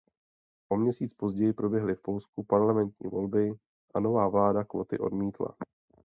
O měsíc později proběhly v Polsku parlamentní volby a nová vláda kvóty odmítla.